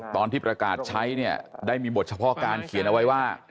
ตอนที่ประกาศใช้เนี่ยได้มีบทเฉพาะการเขียนเอาไว้ว่า